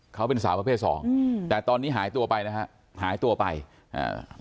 เขาเป็นสาวประเภทสองอืมแต่ตอนนี้หายตัวไปนะฮะหายตัวไปอ่า